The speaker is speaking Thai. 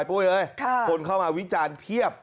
ต่อไปเอ่ยคนเข้ามาวิจารณ์เพียบ